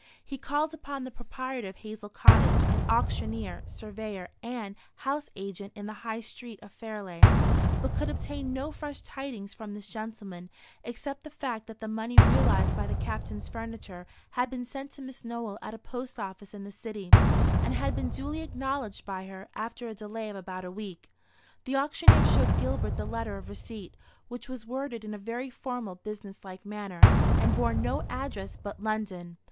He called upon the proprietor of Hazel Cottage, an auctioneer, surveyor, and house agent in the High street of Fairleigh, but could obtain no fresh tidings from this gentleman, except the fact that the money realised by the Captain's furniture had been sent to Miss Nowell at a post office in the City, and had been duly acknowledged by her, after a delay of about a week. The auctioneer showed Gilbert the letter of receipt, which was worded in a very formal business like manner, and bore no address but "London."